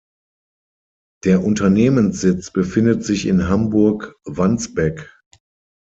Der Unternehmenssitz befindet sich in Hamburg-Wandsbek.